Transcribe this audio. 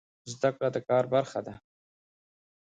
زده کړه د کار برخه ده